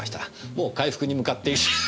もう回復に向かって。